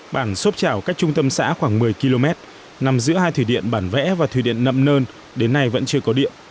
bản sóc chảo cách trung tâm xã khoảng một mươi km nằm giữa hai thủy điện bản vẽ và thủy điện nậm nơn đến nay vẫn chưa có điện